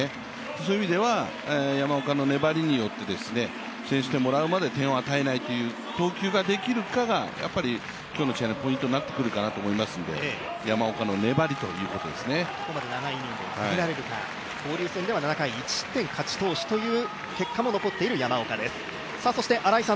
そういう意味では山岡の粘りによって先取点もらうまで点を与えないという投球ができるかが今日の試合のポイントになってくるかなと思いますので、交流戦では７回、１失点勝ち投手という結果も残っている山岡です。